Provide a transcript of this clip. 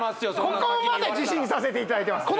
ここまで自信にさせていただいてます